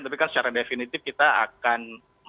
tapi kan secara definitif kita akan